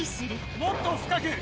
もっと深く。